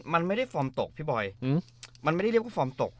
มันไม่ได้ฟอร์มตกพี่บอยมันไม่ได้เรียกว่าฟอร์มตก